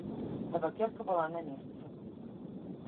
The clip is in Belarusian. Табакерка была на месцы.